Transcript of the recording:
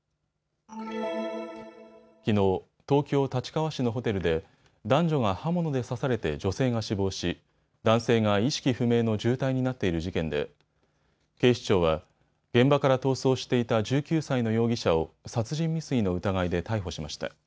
きのう、東京立川市のホテルで男女が刃物で刺されて女性が死亡し男性が意識不明の重体になっている事件で警視庁は現場から逃走していた１９歳の容疑者を殺人未遂の疑いで逮捕しました。